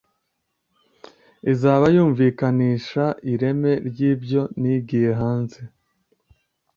Izaba yumvikanisha ireme ry’ibyo nigiye hanze